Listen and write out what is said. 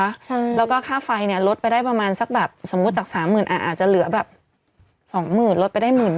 ใช่แล้วก็ค่าไฟเนี่ยลดไปได้ประมาณสักแบบสมมุติจาก๓๐๐๐๐บาทอ่ะอาจจะเหลือแบบ๒๐๐๐๐บาทลดไปได้๑๐๐๐๐บาท